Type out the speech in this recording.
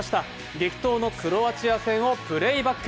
激闘のクロアチア戦をプレーバック。